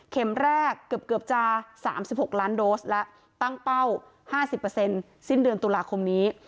แรกเกือบจะ๓๖ล้านโดสแล้วตั้งเป้า๕๐สิ้นเดือนตุลาคมนี้